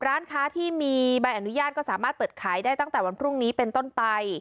ร้านค้าที่มีใบอนุญาตก็สามารถเปิดขายได้ตั้งแต่วันพรุ่งนี้เป็นต้นไป